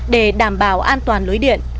để đảm bảo an toàn lưới điện